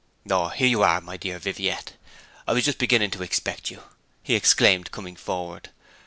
'O here you are, my dear Viviette! I was just beginning to expect you,' he exclaimed, coming forward.